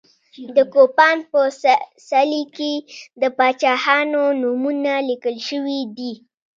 د کوپان په څلي کې د پاچاهانو نومونه لیکل شوي دي.